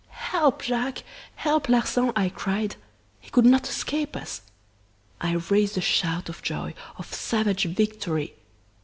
'Help, Jacques! help, Larsan!' I cried. He could not escape us! I raised a shout of joy, of savage victory.